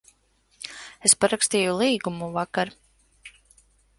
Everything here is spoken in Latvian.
Es parakstīju līgumu vakar.